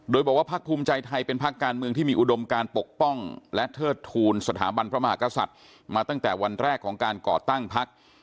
โดยบอกว่าพักภูมิใจไทยเป็นพักการเมืองที่มีอุดมการปกป้องและเทิดทูลสถาบันพระมหากษัตริย์มาตั้งแต่วันแรกของการก่อตั้งพัก